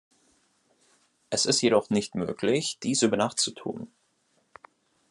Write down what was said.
Es ist jedoch nicht möglich, dies über Nacht zu tun.